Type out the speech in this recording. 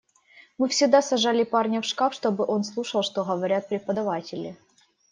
Мы всегда сажали парня в шкаф, чтобы он слушал, что говорят преподаватели.